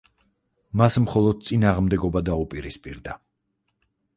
მას მხოლოდ წინააღმდეგობა დაუპირისპირდა.